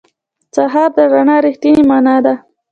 سهار د رڼا رښتینې معنا ده.